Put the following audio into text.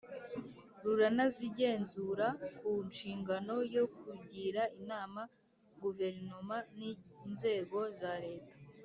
Ruranazigenzura ku nshingano yo kugira inama guverinoma n inzego za leta